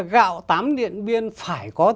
gạo tám điện biên phải có thương hiệu